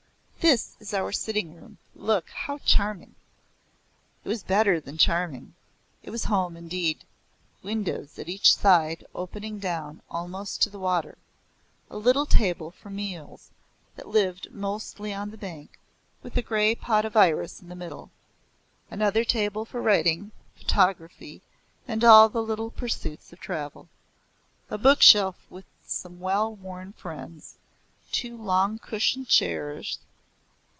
"This is our sitting room. Look, how charming!" It was better than charming; it was home indeed. Windows at each side opening down almost to the water, a little table for meals that lived mostly on the bank, with a grey pot of iris in the middle. Another table for writing, photography, and all the little pursuits of travel. A bookshelf with some well worn friends. Two long cushioned chairs.